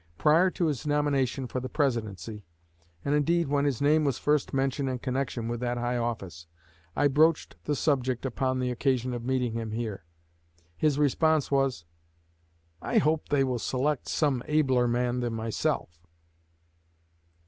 Prior to his nomination for the Presidency, and, indeed, when his name was first mentioned in connection with that high office, I broached the subject upon the occasion of meeting him here. His response was, 'I hope they will select some abler man than myself.'"